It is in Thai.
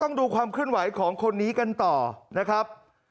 ต้องดูความเคลื่อนไหวของคนนี้กันต่อนะครับ